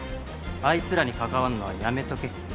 あいつらに関わんのはやめとけ。